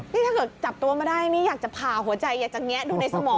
นี่ถ้าเกิดจับตัวมาได้นี่อยากจะผ่าหัวใจอยากจะแงะดูในสมอง